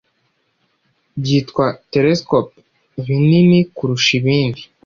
byitwa télescope binini kurusha ibindi